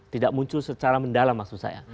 tidak muncul secara mendalam maksud saya